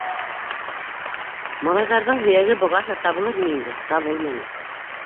Малайҙарҙың һөйәге бығаса табылыр ине инде - табылманы.